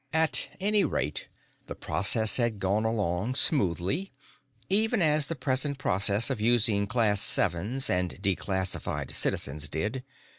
At any rate, the process had gone along smoothly, even as the present process of using Class Sevens and Declassified citizens did.